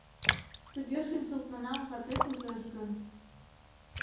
— Тыге шинчылтмынам ватет ужеш гын...